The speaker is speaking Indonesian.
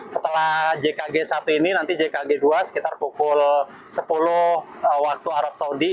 setelah jkg satu ini nanti jkg dua sekitar pukul sepuluh waktu arab saudi